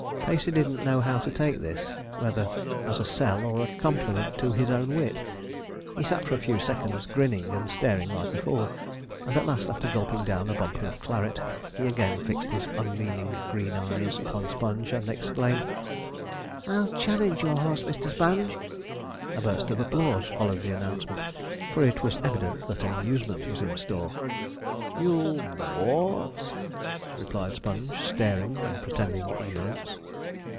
Pacey didn't know how to take this; whether as a 'sell' or a compliment to his own wit. He sat for a few seconds grinning and staring like a fool; at last after gulping down a bumper of claret, he again fixed his unmeaning green eyes upon Sponge, and exclaimed: 'I'll challenge your horse, Mr. Sponge.' A burst of applause followed the announcement; for it was evident that amusement was in store. 'You'll w h a w t?' replied Sponge, staring, and pretending ignorance.